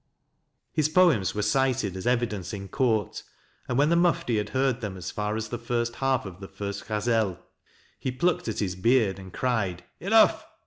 His poems were cited as evidence in court, and when the Mufti had heard them as far as the first half of the first Ghazel, he plucked at his beard and cried: " Enough!